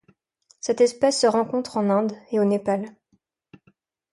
Cette espèce se rencontre en Inde et au Népal.